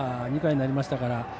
２回になりましたから。